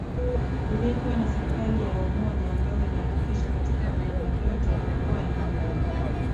bidi kuwe na serikali ya umoja ambayo inahakikisha katika viama vyote vinakuwa included